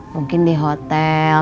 mungkin di hotel